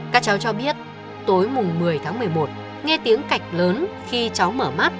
các cháu cho biết tối mùng một mươi tháng một mươi một nghe tiếng cạch lớn khi cháu mở mắt